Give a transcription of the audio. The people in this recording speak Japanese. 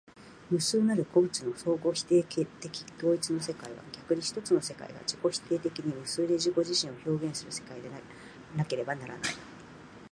無数なる個物の相互否定的統一の世界は、逆に一つの世界が自己否定的に無数に自己自身を表現する世界でなければならない。